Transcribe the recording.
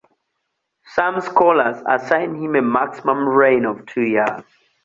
Some scholars assign him a maximum reign of two years.